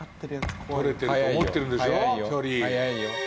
取れてると思ってるんでしょ距離。